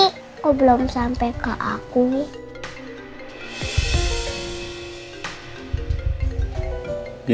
kok belum sampai ke aku nih